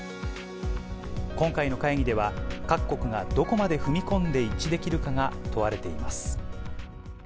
今回の会議では、各国がどこまで踏み込んで一致できるかが問われています。